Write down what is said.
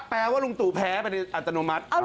แปลว่าลุงตู่แพ้ไปในอัตโนมัติ